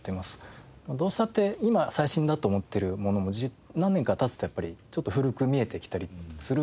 どうしたって今最新だと思ってるものも何年か経つとやっぱりちょっと古く見えてきたりする。